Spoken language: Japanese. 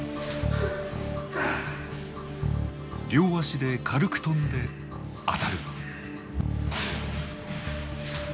両足で軽く跳んで当たる。